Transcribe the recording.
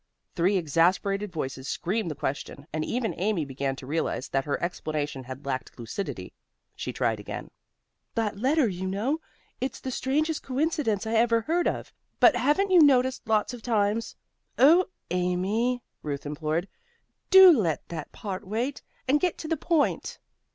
Three exasperated voices screamed the question, and even Amy began to realize that her explanation had lacked lucidity. She tried again. "That letter, you know. It's the strangest coincidence I ever heard of. But haven't you noticed lots of times " "Oh, Amy," Ruth implored, "do let that part wait, and get to the point."